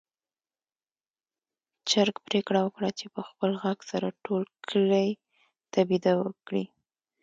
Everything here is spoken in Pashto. چرګ پرېکړه وکړه چې په خپل غږ سره ټول کلي ته بېده وکړي.